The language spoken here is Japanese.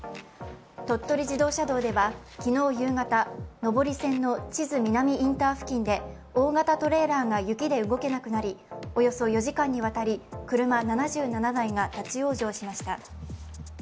鳥取自動車道では昨日夕方、上り線の智頭南インター付近で大型トレーラーが雪で動けなくなりおよそ４時間にわたり車７７台が立往生しました。